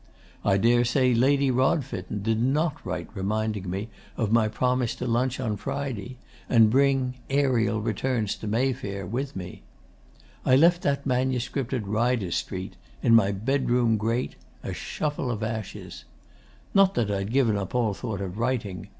I daresay Lady Rodfitten did NOT write reminding me of my promise to lunch on Friday and bring "Ariel Returns to Mayfair" with me. I left that manuscript at Ryder Street; in my bedroom grate; a shuffle of ashes. Not that I'd yet given up all thought of writing.